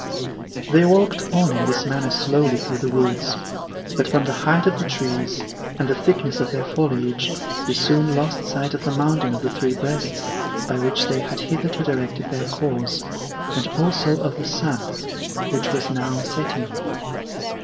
They walked on in this manner slowly through the woods; but from the height of the trees, and the thickness of their foliage, they soon lost sight of the mountain of the Three Breasts, by which they had hitherto directed their course, and also of the sun, which was now setting.